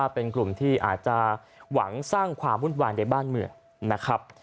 เป็นกลุ่มที่อาจจะหวังสร้างความวุ่นวายในบ้านเมืองนะครับ